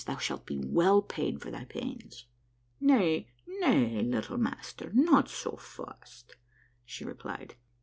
Thou shalt be well paid for thy pains." " Nay, nay, little master, not so fast," she replied.